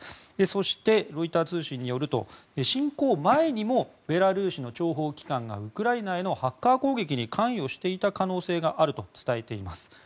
そしてロイター通信によると侵攻前にもベラルーシの諜報機関がウクライナへのハッカー攻撃に関与していた可能性があると伝えています。